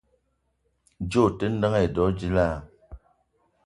Djeue ote ndeng edo djila?